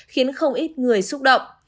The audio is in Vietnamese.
khiến không ít người xúc động